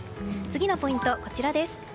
次のポイント、こちらです。